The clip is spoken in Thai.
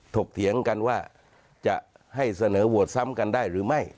ถียงกันว่าจะให้เสนอโหวตซ้ำกันได้หรือไม่